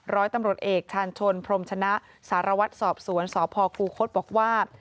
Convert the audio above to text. ร้อยตำรวจเอกชาญชนพรมชนะสารวัตรสอบสวนสพคูคศบอกว่า